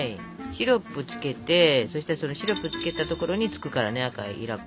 シロップつけてそしたらそのシロップつけたところにつくからね赤いいら粉。